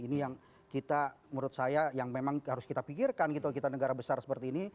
ini yang kita menurut saya yang memang harus kita pikirkan gitu kita negara besar seperti ini